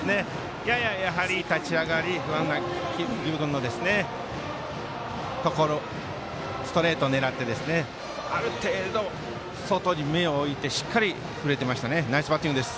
立ち上がり不安な儀部君のストレートを狙ってある程度、外に目を置いてしっかり振れてましたねナイスバッティングです。